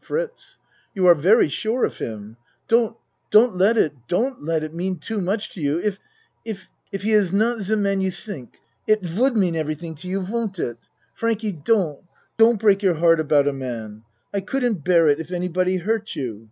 FRITZ You are very sure of him. Don't don't let it don't let it mean too much to you if if he is not de man you tink. It would mean every thing to you, won't it? Frankie, don't don't break your heart about a man. I I couldn't bear it if anybody hurt you.